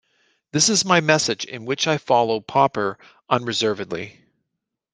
This is my message in which I follow Popper unreservedly.